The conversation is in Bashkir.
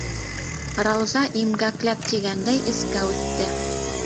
Рауза имгәкләп тигәндәй эскә үтте.